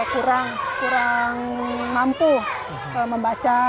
kurang mampu membaca